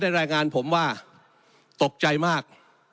และก็กรับทำงานผมว่าโต๊ะใจมาก